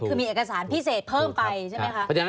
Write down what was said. คือมีเอกสารพิเศษเพิ่มไปใช่ไหมคะ